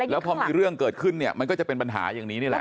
แล้วพอมีเรื่องเกิดขึ้นเนี่ยมันก็จะเป็นปัญหาอย่างนี้นี่แหละ